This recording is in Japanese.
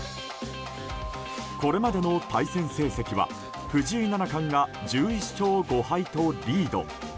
これまでの対戦成績は藤井七冠が１１勝５敗とリード。